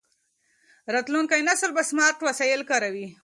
راتلونکی نسل به سمارټ وسایل کاروي.